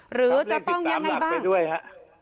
หรือจะต้องยังไงบ้าง